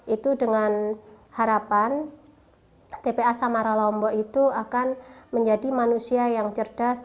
itu dengan harapan tpa samara lombok itu akan menjadi manusia yang cerdas